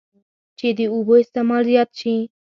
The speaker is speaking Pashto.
چې د اوبو استعمال زيات شي